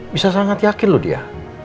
bisa sangat yakin loh dia